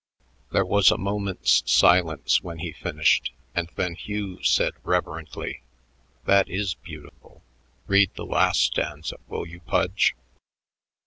There was a moment's silence when he finished, and then Hugh said reverently: "That is beautiful. Read the last stanza, will you, Pudge?"